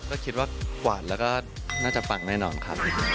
ก็คิดว่าหวานแล้วก็น่าจะปังแน่นอนครับ